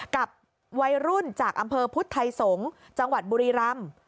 กับวัยรุ่นจากอำเภอพุทธไทยสงศ์จังหวัดบุรีรำ